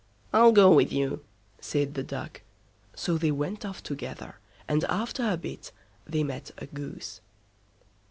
"I'll go with you", said the Duck. So they went off together, and after a bit they met a Goose.